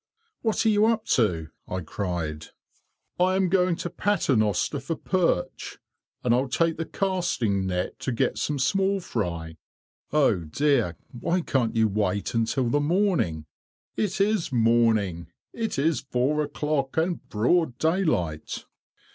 "What are you up to?" I cried. "I am going to paternoster for perch, and I'll take the casting net to get some small fry." "Oh, dear! why can't you wait until the morning?" "It is morning. It is four o'clock and broad daylight."